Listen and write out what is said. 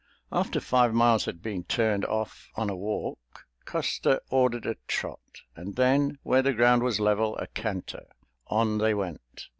After five miles had been turned off on a walk, Custer ordered a trot, and then, where the ground was level, a canter. On they went.